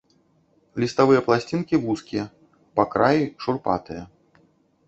Ліставыя пласцінкі вузкія, па краі шурпатыя.